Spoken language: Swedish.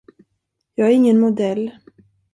Jag är ingen modell.